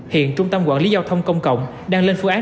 hiện trung tâm quản lý giao thông công cộng đang lên phương án